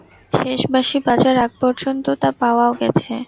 শেষ বাঁশি বাজার আগ পর্যন্ত তা পাওয়াও গেছে।